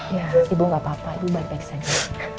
iya ibu gak apa apa ibu balik ke sana